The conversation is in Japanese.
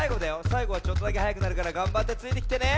さいごはちょっとだけはやくなるからがんばってついてきてね。